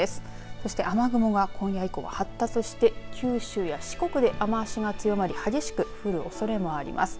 そして雨雲が今夜以降、発達して九州や四国で雨足が強まり激しく降るおそれもあります。